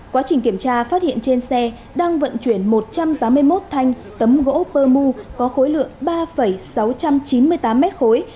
quá trình kiểm tra phát hiện trên xe đang vận chuyển một trăm tám mươi một thanh tấm gỗ pơ mu có khối lượng ba sáu trăm chín mươi tám mét khối